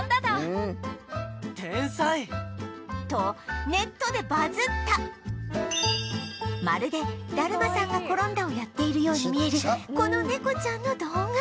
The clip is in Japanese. とネットでバズったまるでだるまさんが転んだをやっているように見えるこの猫ちゃんの動画